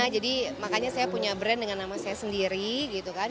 jadi makanya saya punya brand dengan nama saya sendiri gitu kan